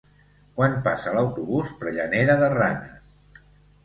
Quan passa l'autobús per Llanera de Ranes?